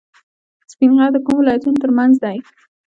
سپین غر د کومو ولایتونو ترمنځ دی؟